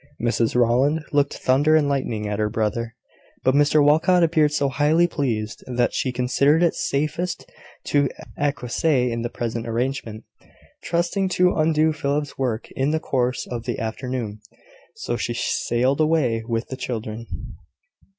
Mrs Rowland looked thunder and lightning at her brother; but Mr Walcot appeared so highly pleased, that she considered it safest to acquiesce in the present arrangement, trusting to undo Philip's work in the course of the afternoon. So she sailed away with the children.